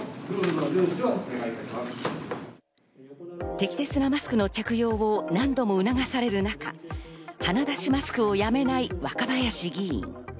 適切なマスクの着用を何度も促される中、鼻出しマスクをやめない若林議員。